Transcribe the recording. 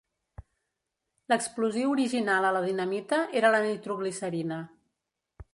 L'explosiu original a la dinamita era la nitroglicerina.